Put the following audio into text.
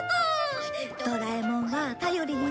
ドラえもんは頼りになるなあ。